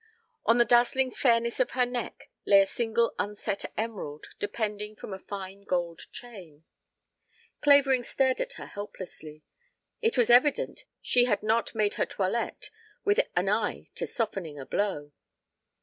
On the dazzling fairness of her neck lay a single unset emerald depending from a fine gold chain. Clavering stared at her helplessly. ... It was evident she had not made her toilette with an eye to softening a blow!